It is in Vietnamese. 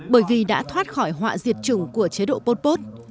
bởi vì đã thoát khỏi họa diệt chủng của chế độ phốt phốt